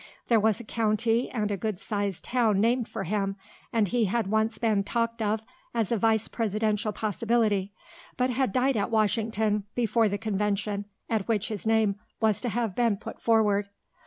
There was a county and a good sized town named for him and he had once been talked of as a vice presidential possibility but had died at Washington before the convention at which his name was to have been put forward.